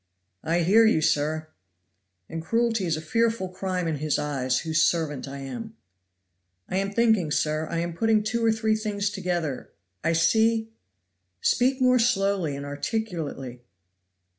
"I hear you, sir. "And cruelty is a fearful crime in His eyes, whose servant I am." "I am thinking, sir; I am putting two or three things together I see " "Speak more slowly and articulately."